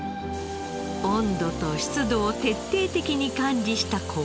温度と湿度を徹底的に管理した工場の中。